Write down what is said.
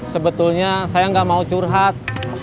sebetulnya saya nggak mau curhat